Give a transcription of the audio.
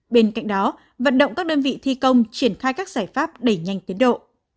bên cạnh đó vận động các đơn vị thi công triển khai các giải pháp đẩy nhanh tiến độ